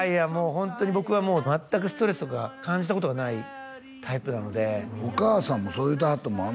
ホントに僕はもう全くストレスとか感じたことがないタイプなのでお母さんもそう言うてはったもん